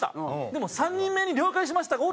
でも３人目に「了解しました」がおるから。